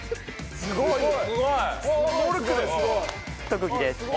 すごいすごい。特技です。